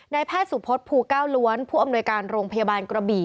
แพทย์สุพศภูเก้าล้วนผู้อำนวยการโรงพยาบาลกระบี่